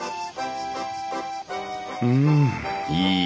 うんいい